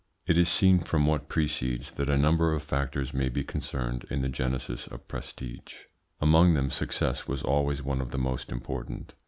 It is seen from what precedes that a number of factors may be concerned in the genesis of prestige; among them success was always one of the most important.